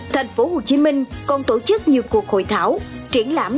thành phố hồ chí minh còn tổ chức nhiều cuộc hội thảo triển lãm